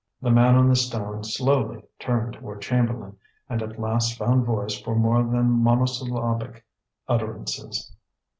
The man on the stone slowly turned toward Chamberlain, and at last found voice for more than monosyllabic utterances.